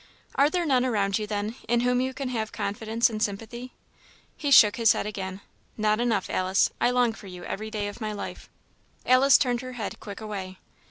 "Are there none around you, then, in whom you can have confidence and sympathy?" He shook his head again. "Not enough, Alice. I long for you every day of my life." Alice turned her head quick away.